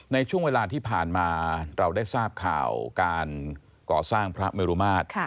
ในช่วงเวลาที่ผ่านมาเราได้ทราบข่าวการก่อสร้างพระเมรุมาตร